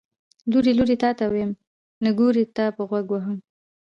ـ لورې لورې تاته ويم، نګورې تاپه غوږ وهم.